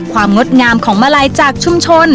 งดงามของมาลัยจากชุมชน